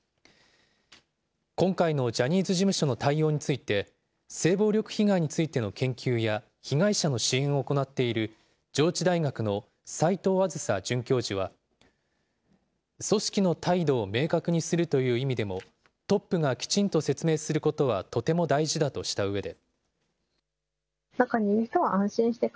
今回のジャニーズ事務所の対応について、性暴力被害についての研究や被害者の支援を行っている、上智大学の齋藤梓准教授は、組織の態度を明確にするという意味でも、トップがきちんと説明することはとても大事だとしたうえで。